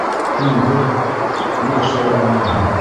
Һин бер ни эшләй алмайһың...